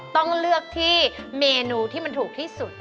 ต้องเลือกที่เมนูที่มันถูกที่สุด